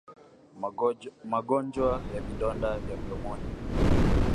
Magonjwa ya vidonda vya mdomoni